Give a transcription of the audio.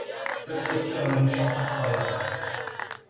Cette fois-ci, on a une chance incroyable.